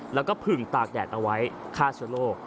แล้วก็ผึ่งตากแดดเอาไว้ค่าโชโล